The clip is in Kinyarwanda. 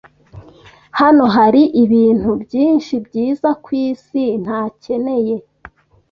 Hano hari ibintu byinshi byiza kwisi ntakeneye.